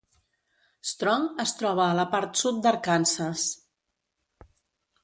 Strong es troba a la part sud d"Arkansas.